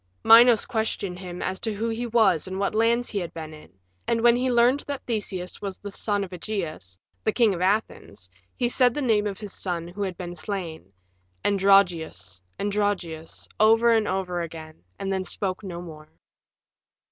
Minos questioned him as to who he was and what lands he had been in, and when he learned that Theseus was the son of Ægeus, the King of Athens, he said the name of his son who had been slain, "Androgeus, Androgeus," over and over again, and then spoke no more.